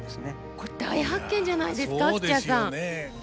これ大発見じゃないですか喜千也さん。